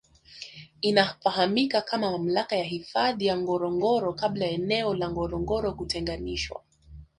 Inafahamika kama mamlaka ya hifadhi ya Ngorongoro kabla ya eneo la Ngorongoro kutenganishwa